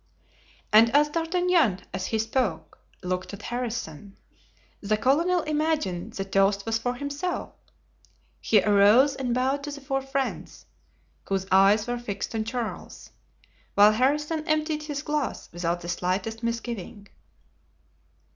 And as D'Artagnan, as he spoke, looked at Harrison, the colonel imagined the toast was for himself. He arose and bowed to the four friends, whose eyes were fixed on Charles, while Harrison emptied his glass without the slightest misgiving.